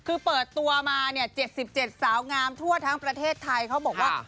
คือเปิดตัวมาเนี่ย๗๗สาวงามทั่วทั้งประเทศไทยเขาบอกว่า